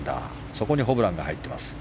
そこにホブランが入ってます。